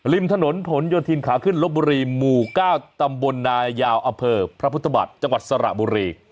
ริมถนนผลโยธินขาขึ้นลบบุรีหมู่๙ตำบลนายาวอเภอพระพุทธบัตรจังหวัดสระบุรี